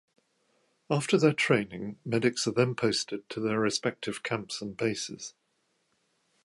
After their training, medics are then posted to their respective camps and bases.